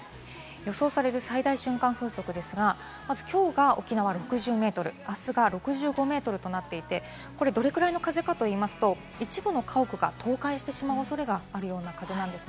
予想される最大瞬間風速ですが、まず今日が沖縄は６０メートル、あすが６５メートルとなっていて、どれくらいの風かといいますと、一部の家屋が倒壊してしまう恐れがあるような風です。